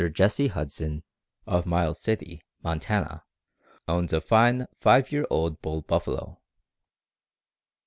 Jesse Huston, of Miles City, Montana_, owns a fine five year old bull buffalo.